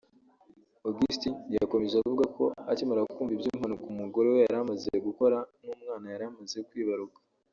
Augustin yakomeje avuga ko akimara kumva iby’impanuka umugore we yari amaze gukora n’umwana yari amaze kwibaruka